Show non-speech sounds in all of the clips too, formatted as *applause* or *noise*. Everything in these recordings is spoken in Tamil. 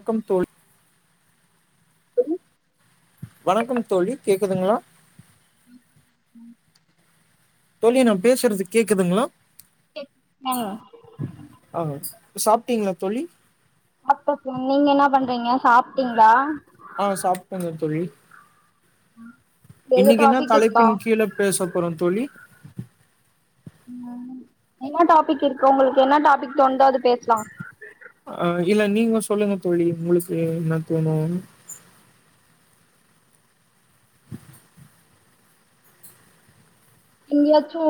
வணக்கம் தோழி வணக்கம் தோழி கேக்குதுங்ளா ம் தோழி நா பேசறது கேக்குதுங்ளா டெக் டங் ஆ சாப்ட்டீங்ளா தோழி சாப்டாச்சுங் நீங்க என்ன பண்றீங்க சாப்ட்டீங்ளா ஆ சாப்ட்ங்க தோழி எது இன்னைக்கி என்ன டாபிக் இருக்கா தலைப்பின் கீழ பேச போறோந் தோழி என்னா டாபிக் இருக்கு உங்களுக்கு என்னா டாபிக் தோணுதோ அது பேசலா அ இல்ல நீங்க சொல்லுங்க தோழி உங்களுக்கு என்ன தோணு எங்கயாச்சு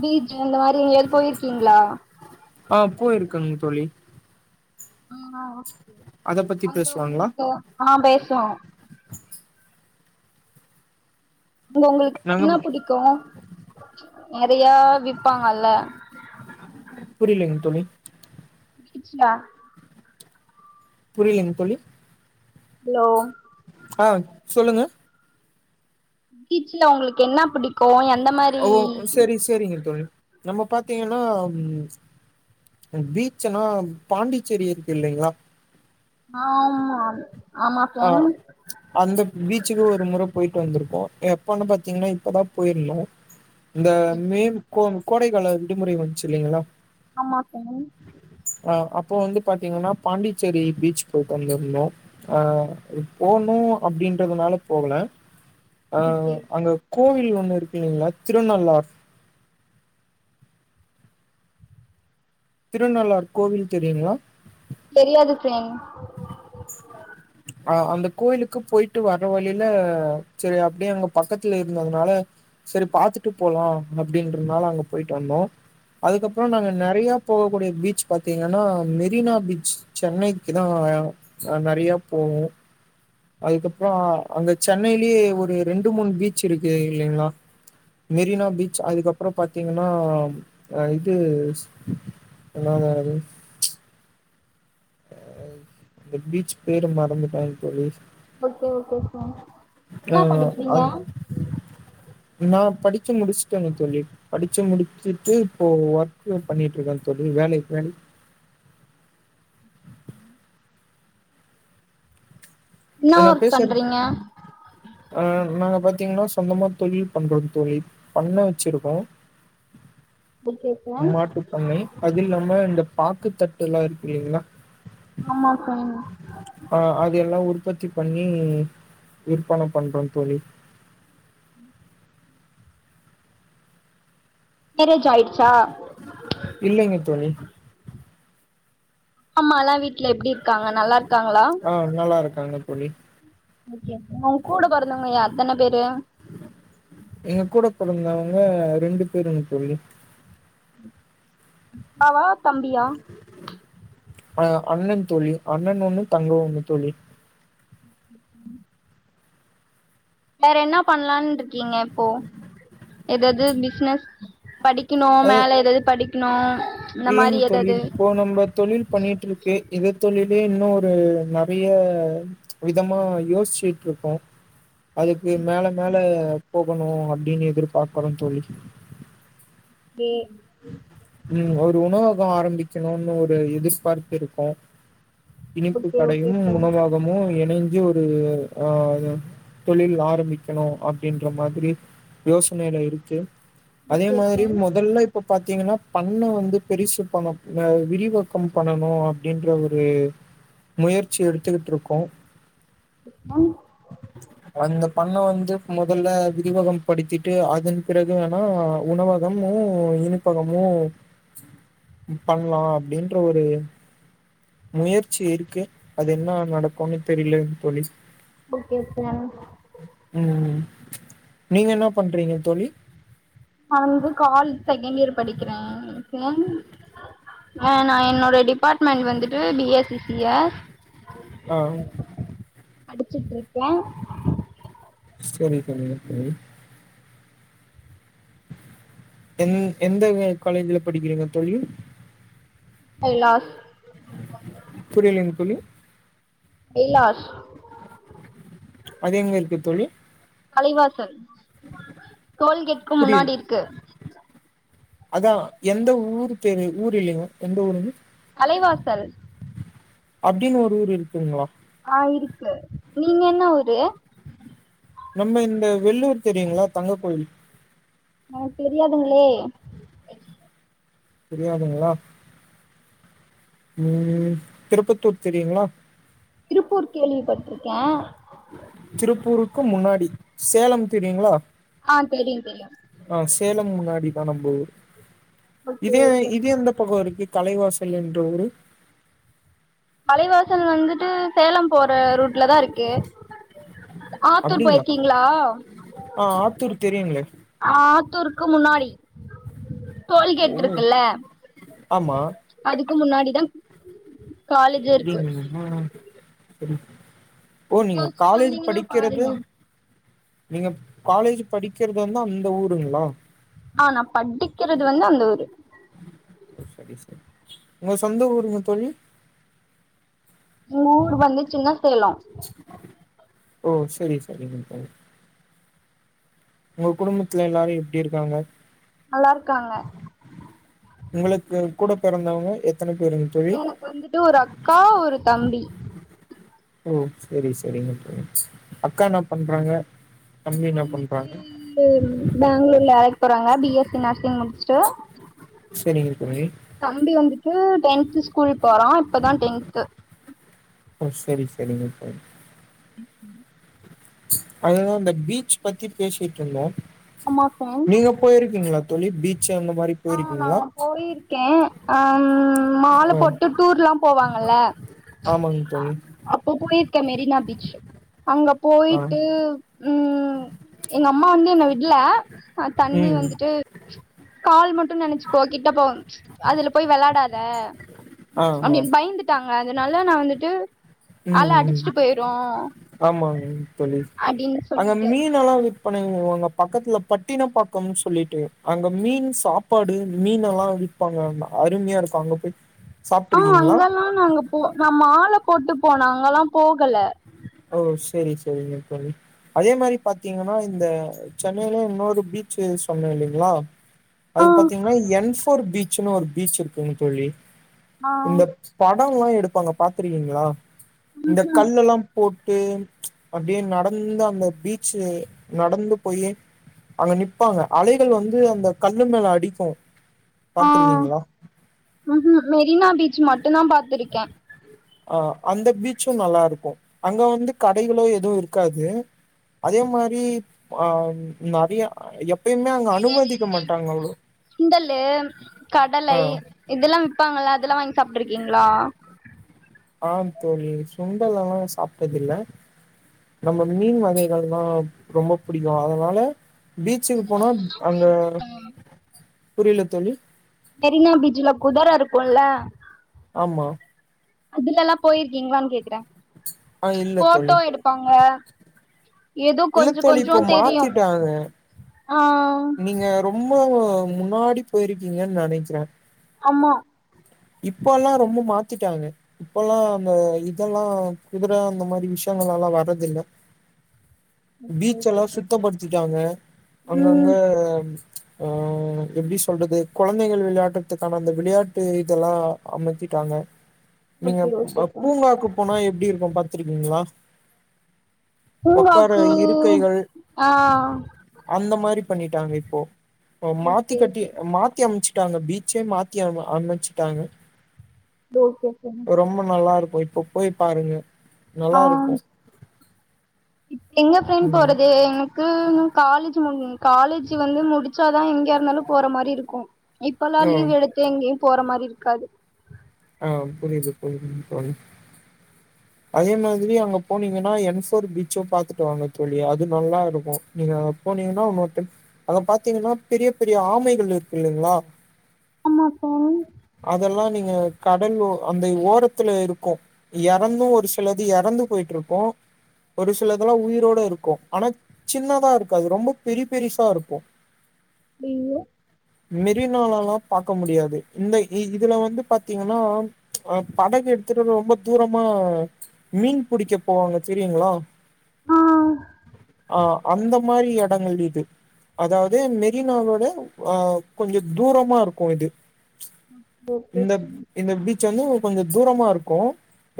பீச் இந்த மாரி எங்கையாது போயிருக்கீங்ளா ஆ போயிருக்கங் தோழி ஆ அத பத்தி அங்க பேசலாங்களா உங்களுக்கு ஆ பேசுவோ அங்க உங்களுக்கு நாங்க என்ன புடிக்கு நெறையா விப்பாங்கல்ல புரிலிங்க தோழி பீச்ல புரியலங் தோழி ஹலோ ஆ சொல்லுங்க பீச்ல உங்களுக்கு இன்னா புடிக்கு என் ஓ சேரி சேரிங்க தோழி நம்ப பாத்தீங்கன்னா பீச்னா பாண்டிச்சேரி இருக்குல்லைங்களா ஆமா ஆமா ஆ ஃப்ரெண்ட் அந்த பீச்சுக்கு ஒரு மொற போயிட்டு வந்துருக்கோ எப்பன்னு பாத்தீங்கன்னா இப்பதா போயிருந்தோ இந்த மே கோம் கோடைக்கால விடுமுறை வந்சிங்களா ஆமா ஃப்ரெண்ட் ஆ அப்போ வந்து பாத்தீங்கன்னா பாண்டிச்சேரி பீச் போயிட்டு வந்துருந்தோ ஆ போணு அப்டின்றதுனால போகல அ ஓகே அங்க கோவில் ஒன்னு இருக்குல்லைங்களா திருநள்ளார் திருநள்ளார் கோவில் தெரியுங்ளா தெரியாது ஃப்ரெண்ட் ஆ அந்த கோயிலுக்கு போயிட்டு வர வழியில செரி அப்டியே அங்க பக்கத்துல இருந்ததுனால சேரி பாத்துட்டு போலா அப்டின்றதுனால அங்க போயிட்டு வந்தோ அதுக்கப்றோ நாங்க நெறையா போகக்கூடிய பீச் பாத்தீங்கன்னா மெரினா பீச் சென்னைக்குத்தா நெறைய போவோ அதுக்கப்றோ அங்க சென்னைலயே ஒரு ரெண்டு மூணு பீச் இருக்கு இல்லைங்களா மெரினா பீச் அதுக்கப்றோ பாத்தீங்கன்னா ஆ இது *unintelligible* ஆ இந்த பீச் பேரு மறந்துட்டே தோழி ஓகே ஓகே சார் ஆ இன்னா படிக்கிறீங்க அந் நா படிச்சு முடிச்சுட்டேங்க தோழி படிச்சு முடிச்சுட்டு இப்போ ஒர்க் பண்ணிட்ருக்கே தோழி வேலைக் போய் என்ன நா ஒர்க் பேசறது பண்றீங்க ஆ நாங்க பாத்தீங்கன்னா சொந்தமா தொழில் பண்றோ தோழி பண்ண வச்சிருக்கோ ஓகே ஃப்ரெண்ட் மாட்டுப்பண்ணை அது இல்லாம இந்த பாக்குத்தட்டு எல்லா இருக்குல்லைங்களா ஆமா சொல்லுங்க ஆ அது எல்லா உற்பத்தி பண்ணி விற்பன பண்றோ தோழி மேரேஜ் ஆயிடுச்சா இல்லைங்க தோழி அம்மா எல்லா வீட்ல எப்டி இருக்காங்க நல்லார்க்காங்களா ஆ நல்லா இருக்காங்க தோழி ஓகே உங்க கூட பொறந்தவங்க எத்தன பேரு ஏ கூட பொறந்தவங்க ரெண்டு பேருங்க தோழி அக்காவ தம்பியா அ அண்ணன் தோழி அண்ணன் ஒண்ணு தங்க ஒண்ணு தோழி வேற என்ன பண்லான்ருக்கீங்க இப்போ எதாது பிஸ்னஸ் படிக்கணு அ மேல எதாது படிக்கணு இந்த மாரி ஏதாது இப்ப நம்ம தொழில் பண்ணிட்ருக்கு இந் தொழிலே இன்னு ஒரு நெறைய விதமா யோச்சிட்ருக்கோ அதுக்கு மேல மேல போகணு அப்டின்னு எதிர் பார்க்குறோ தோழி ஏ ம் ஒரு உணவகொ ஆரம்பிக்கணுனு ஒரு எதிர்பார்ப்பு இருக்கு இனிப்பு ஓகே ஓகே கடையும் உணவகமு இணைந்து ஒரு ஆ அது தொழில் ஆரம்பிக்கணு அப்டின்ற மாதிரி யோசனேல இருக்கு ஓகே ஃப்ரெண்ட் அதே ஓகே மாதிரி ஃப்ரெண்ட் மொதல்ல இப்ப பாத்தீங்கன்னா பண்ண வந்து பெரிசு பண்ண அ விரிவாக்கம் பண்ணணு அப்டின்ற ஒரு முயற்சி எடுத்துகிட்ருக்கோ ஆ அந்த பண்ண வந்து மொதல்ல விரிவகம் படுத்திட்டு அதன் பிறகு வேணா உணவ கமு இனிப்பகமு பண்லா அப்டின்ற ஒரு முயற்சி இருக்கு அது என்னா நடக்குன் தெரிலங் தோழி ஓகே சார் ம் நீங்க என்னா பண்றீங்க தோழி நா வந்து காலேஜ் செகேண்ட் இயர் படிக்கிறே கே ஆ நா என்னோட டிபார்ட்மண்ட் வந்துட்டு பி எஸ் சி சியஸ் ஆ படிச்சுட்ருக்கே செரி தோழி *unintelligible* எந் எந்த காலேஜ்ல படிக்கிறீங்க தோழி கைலாஸ் புரியலைங் தோழி கைலாஷ் அது எங்க இருக்கு தோழி கலைவாசல் டோல்கேட்கு முன்னாடி இருக்கு அதா எந்த ஊரு பேரு ஊர் இல்லைங்க எந்த ஊருங்க அலைவாசல் அப்டின் ஒரு ஊர் இருக்குங்களா ஆ இருக்கு நீங்க என்னா ஊரு நம்ம இந்த வெள்ளூர் தெரியுங்களா தங்கக் கோயில் எனக் தெரியாதுங்களே தெரியாதுங்ளா ம் திருப்பத்தூர் தெரியுங்களா திருப்பூர் கேள்விபட்ருக்கே திருப்பூருக்கு முன்னாடி சேலம் தெரியுங்களா ஆ தெரிய தெரியு ஆ சேலம் முன்னாடிதா நம்ப ஊர் ஓகே இதே ஓகே இது எந்த பக்கோ இருக்கு கலைவாசல்ன்ற ஊரு அலைவாசல் வந்துட்டு சேலம் போற ரூட்ல தா இருக்கு ஆத்தூர் அப்டிங்களா போயிருக்கீங்களா ஆ ஆத்தூர் தெரியுங்களே ஆத்தூருக்கு முன்னாடி டோல்கேட் ஓ இருக்குல ஆமா அதுக்கு முன்னாடி தா அப்டிங்ளா சரி ஓ நீங்க காலேஜ் படிக்கறது நீங்க காலேஜ் படிக்கறது வந்து அந்த ஊருங்களா ஆ நா படிக்கிறது வந்து அந்த ஊரு உங்க சொந்த ஊருங்க தோழி எங்க ஊர் வந்து சின்ன சேலோ ஓ செரி செரிங்க தோழி உங்க குடும்பத்துல எல்லாரு எப்டி இருக்காங்க நல்லாருக்காங்க உங்களுக்கு கூட பிறந்தவங்க எத்தன பேரு எனக்கு வந்துட்டு ஒரு அக்கா ஒரு தம்பி ஓ செரி செரிங்க தோழி அக்கா இன்னா பண்றாங்க தம்பி இன்னா பண்றாங்க பெங்ளூர்ல வேலைக்கு போறாங்க பி எஸ் சி நர்சிங் முடிச்சுட்டு செரிங்க தோழி தம்பி வந்துட்டு டென்த் ஸ்கூல் போறா இப்பதா டென்து ஓ செரி செரிங்க தோழி அதுதா அந்த பீச் பத்தி பேசிட்டு இருந்தோ அம்மா பென் நீங்க போயிருக்கீங்களா தோழி பீச்சு அந்த மாரி ஆ நா போயிருக்கீங்களா போயிருக்கே அ ம் மால போட்டு டூர்லா போவாங்கல ஆமாங் தோழி அப்போ போயிருக்கே மெரினா பீச் அங்க ஆ போயிட்டு ம் எங்க அம்மா வந்து என்ன விடல அ தண்ணி ம் வந்துட்டு கால் மட்டோ நெனைச்சுக்கோ கிட்ட போ அதுல போய் வெளாடாத ஆ ஆ அப்டி பயந்துட்டாங்க அதனால நா வந்துட்டு ம் அல ம் அடிச்சுட்டு ம் போயிரு ஆமாங்க தோழி அப்டின்னு அங்க சொல்லிட்டு மீன் னெலா விற்பனை பண்ணுவாங்க பக்கத்துல பட்டினப்பாக்கம்னு சொல்லிட்டு அங்க மீன் சாப் சாப்பாடு மீனெலா விப்பாங்க அங்க அருமையா இருக்கோ அங்க போய் ஆ சாப்ட்டுருக்கீங்களா அங்கலா நாங்க போ நா மால போட்டு போன அங்கலா போகல ஓ செரி செரிங்க தோழி அதே மாறி பாத்தீங்கன்னா இந்த சென்னையிலயே இன்னொரு பீச்சு சொன்னே இல்லைங்களா ஆ அது பாத்தீங்கன்னா என் போர் பீச்னு ஒரு பீச் இருக்குங்கு தோழி ஆ இந்த படொலா எடுப்பாங்க பாத்துருக்கீங்களா இந்த கல்லெல்லா போட்டு அப்டியே நடந்து அந்த பீச்சு நடந்து போயே அங்க நிப்பாங்க அலைகள் வந்து அந்த கல்லு மேல அடிக்கோ பாத்துருக்கீங்களா ம் ம் மெரினா பீச் மட்டுந்தா பாத்திருக்கே அ அந்த பீச்சு நல்லா இருக்கு அங்க வந்து கடைகளு எதுவு இருக்காது அதே மாரி ஆ நெறைய எப் ஏதாவது இந்த சுண்டலு ஆ கடலை இதலா விப்பாங்கல அதலா வாங்கி சாப்பிட்டுருக்கீங்களா ஆ தோழி சுண்டலுலா சாப்டது இல்ல நம்ம மீன் வகைகள்லா ரொம்ப புடிக்கோ அதனால பீச்சுக்கு போனா அங்க புரில தோழி மெரினா பீச்ல குதர இருக்குல ஆமா அதுலலா போயிருக்கீங்களான்னு கேக்கற ஆ இல்ல தோழி போட்டோ எடுப்பாங்க ஏதோ இல்ல கொஞ்சோ தோழி கொஞ்சோ இப்ப தெரியோ மாத்திட்டாங்க ஆ நீங்க ரொம்ப முன்னாடி போயிருக்கீங்கன் நெனைக்கிறே ஆமா இப்பலா ரொம்ப மாத்திட்டாங்க இப்பலா அந்த இதலா குதர அந்த மாறி விஷயங்கள்லா வரது இல்ல பீச் எல்லா சுத்தப்படுத்திட்டாங்க அங்கங்க ஆ எப்டி சொல்றது கொழந்தைகள் வெளையாட்டுறதுக்கான அந்த வெளையாட்டு இதெல்லா அமத்திட்டாங்க நீங்க பூங்காக்கு போனா எப்டி இருக்கு பாத்துருக்கீங்களா ஒக்கார பூங்காக்கு இருக்கைகள் ஆ அந்த மாரி பண்ணிட்டாங்க இப்போ மாத்தி கட்டி மாத்தி அமச்சு ட்டாங்க பீச்சே மாத்தி அமச் அமச்சிட்டாங்க ரொம்ப நல்லா இருக்கு இப்ப போய் பாருங்க நல்லா இருக்கு இப்ப எங்க ஃப்ரெண்ட் ம் போறது எனக்கு இன்னு காலேஜ் முடியு காலேஜு வந்து முடிச்சாதா எங்கே யா இருந்தாலு போற மாரி இருக்கு இப்பெல்லா ஓ லீவ் எடுத்து எங்கேயு போற மாரி இருக்காது ஆ புரியது புரியுது தோழி அதே மாதிரி அங்க போனீங்கன்னா என் ஃபோர் பீச்சும் பாத்துட்டு வாங்க தோழி அது நல்லா இருக்கு நீங்க போனீங்கன்னா ஓகே அத பாத்தீங்கன்னா பெரிய பெரிய ஆமைகள் இருக்கு இல்லேங்களா *unintelligible* அதெல்லா நீங்க கடல் ஓர் அந்த ஓரத்துல இருக்கு எறந்து ஒரு சிலது எறந்து போயிட்டு இருக்கு ஒரு சிலதெல்லா உயிரோட இருக்கு ஆனா சின்னதா இருக்காது ரொம்ப பெரிய பெரிசா இருக்கு *unintelligible* *unintelligible* மெரினாலல்லா பாக்க முடியாது இந்த இ இதுல வந்து பாத் பாத்தீங்கன்னா அ படகு எடுத்துட்டு வந்து ரொம்ப தூரமா மீன் புடிக்க போவாங்க தெரியுங்களா ஆ அந்த மாரி எடங்கள் இது அதாவது மெரினாவோட ஆ கொஞ்சோ தூரமா இருக்கு இது ச் இந்த இந்த பீச் வந்து கொஞ்சோ தூரமா இருக்கு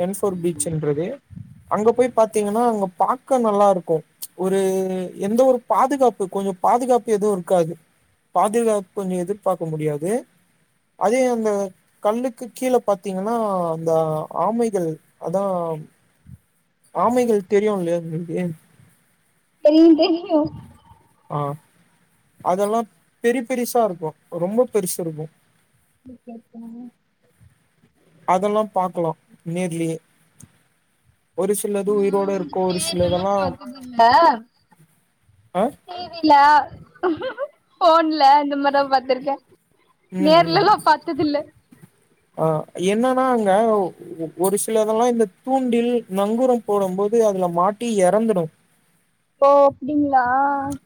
என்ஃபோர் பீச்சுன்றது அங்க போய் பாத்தீங்கன்னா அங்க பாக் பாக்க நல்லாருக்கு ச் ஒரு எந்த ஒரு பாதுகாப்பு கொஞ்சோ பாதுகாப்பு எதுவு இருக்காது பாதுகாப்பு கொஞ்சோ எதிர்பாக்க முடியாது அதே அந்த கல்லுக்கு கீழ பாத்தீங்கன்னா அந்த ஆமைகள் அதா ஆமைகள் தெரியும்ல உங்களுக்கு தெரியு தெரியு ஆ அதல்லா பெரி பெரிசா இருக்கு ரொம்ப பெருசா இருக்கு ஓகே ஓகே அதெல்லா பாக்லா நேர்லியே ஒரு சிலது நா உயிரோட இருக்கு வந்துட்டு ஒரு நேர்லல்லா சிலதெல்லா பாத்தது ஆ டிவில போன்ல இந்த மார்தா பாத்துருக்கே ம் ம் நேர்லல்லா பாத்ததில்ல ஆ என்னன்னா அங்க ஒரு சிலதெல்லா இந்த தூண்டில் நங்குரம் போடும் போது அதுல மாட்டி எறந்துடு ஓ அப்டிங்களா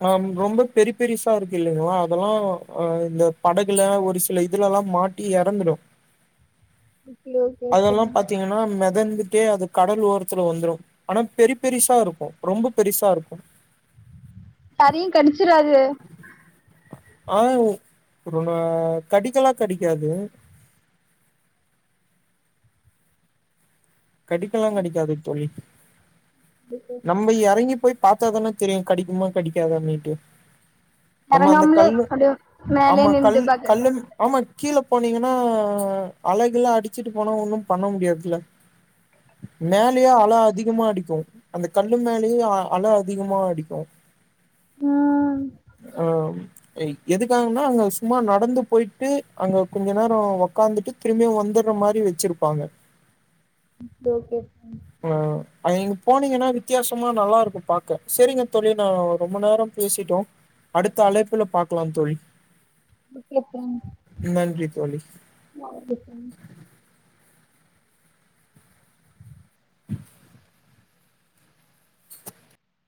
ஆ ரொம்ப பெரி பெருசா இருக்கு இல்லைங்களா அதெல்லா ஆ இந்த படகுல ஒரு சில இதுலெல்லா மாட் மாட்டி எறந்துடு *inaudible* அதெல்லா பாத்தீங்கன்னா மெதந்துட்டே அது கடல் ஓரத்துல வந்துரு ஆனா பெரி பெரிசா இருக்கு ரொம்ப பெருசா இருக்கு யாரையு கடுச்சுராது ஆ *unintelligible* கடிக்கலா கடிக்காது கடிக்கலா கடிகாது தோழி ம் ம் நம்ம எறங்கி போய் பாத்தாதான தெரியு கடிக்குமா கடிக்காதான்னுட்டு நம்ம அந்த எறங்காமலே கல்லு அப்டியே மேலயே ஆமா கல் நின்டு பாக்குறது கல்லுன் ஆமா கீழ போனீங்கனா அலகெல்ல அடிச்சுட்டு போனா ஒன்னு பண்ண முடியாதுல்ல மேலயே அல அதிகமா அடிக்கு அந்த கல்லு மேலயே அல அதிகமா அடிக்கு ம் ம் எதுக்காகனா அங்க சும்மா நடந்து போய்ட்டு அங்க கொஞ்சோ நேரோ உக்காந்துட்டு திரும்பியு வந்துர்ற மாரி வச்சுருப்பாங்க ஓகே ஓகே ம் ஆ நீங்க போனீங்கன்னா வித்தியாசமா நல்லா இருக்கு பாக்க செரிங்க தோழி நா ரொம்ப நேரம் பேசிட்டோ அடுத்த அழைப்புல பாக்லா தோழி ஓகே ஃப்ரெண்ட் நன்றி தோழி *inaudible*